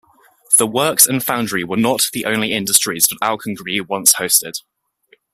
The works and the foundry were not the only industries that Auchengree once hosted.